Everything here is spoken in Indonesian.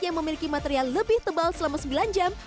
yang memiliki material lebih tebal selama sembilan jam